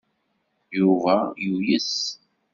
Yuba yuyes.